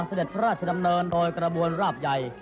เสด็จพระราชดำเนินโดยกระบวนราบใหญ่